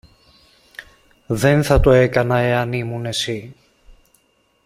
Δεν θα το έκανα εάν ήμουν εσύ.